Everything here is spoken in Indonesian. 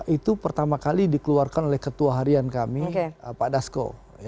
itu pertama kali dikeluarkan oleh ketua harian kami pak dasko